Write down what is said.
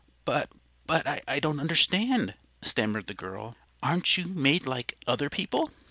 "But but I don't understand," stammered the girl. "Aren't you made like other people?"